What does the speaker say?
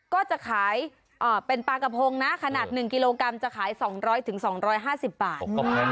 ก็จะขายเป็นปลากระพงนะขนาด๑กิโลกรัมจะขาย๒๐๐๒๕๐บาท